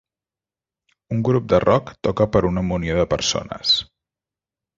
Un grup de rock toca per a una munió de persones.